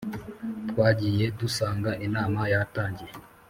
twagiye dusanga inama yatangiye